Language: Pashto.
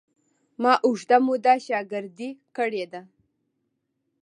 ما اوږده موده شاګردي کړې ده.